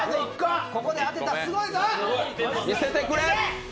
ここで当てたらすごいぞ！